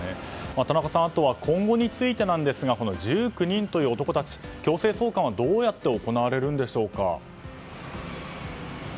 あとは今後についてですが１９人という男たち、強制送還はどうやって行われるんでしょうか。